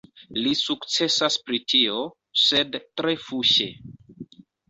Li sukcesas pri tio, sed tre fuŝe.